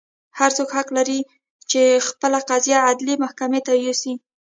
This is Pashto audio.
هر څوک حق لري چې خپله قضیه عدلي محکمې ته یوسي.